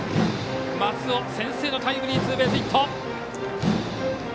松尾、先制のタイムリーツーベースヒット。